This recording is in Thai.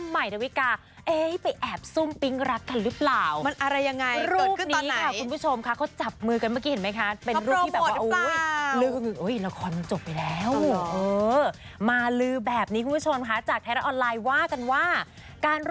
ใหม่ดาวิกาไปแอบซุ่มปิ๊งรักกันหรือเปล่า